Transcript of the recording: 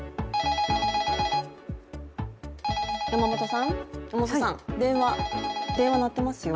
山本さん、山本さん、電話、電話鳴ってますよ。